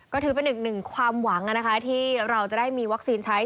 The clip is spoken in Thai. ก็ถือเป็นอีกหนึ่งความหวังที่เราจะได้มีวัคซีนใช้